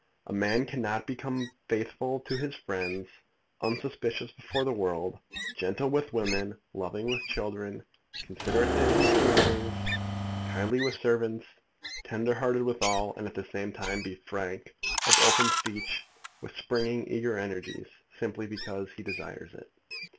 A man cannot become faithful to his friends, unsuspicious before the world, gentle with women, loving with children, considerate to his inferiors, kindly with servants, tender hearted with all, and at the same time be frank, of open speech, with springing eager energies, simply because he desires it.